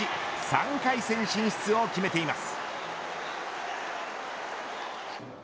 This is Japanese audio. ３回戦進出を決めています。